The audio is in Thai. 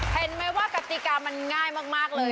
เห็นไหมว่ากติกามันง่ายมากเลย